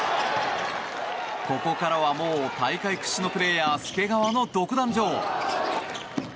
ここからは、もう大会屈指のプレーヤー介川の独断場。